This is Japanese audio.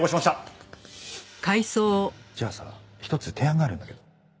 あっじゃあさ一つ提案があるんだけど。